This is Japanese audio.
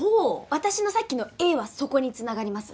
私のさっきの「ええっ！？」はそこに繋がります。